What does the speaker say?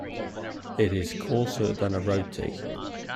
It is coarser than a roti.